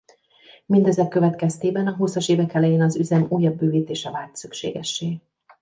Mindezek következtében a húszas évek elején az üzem újabb bővítése vált szükségessé.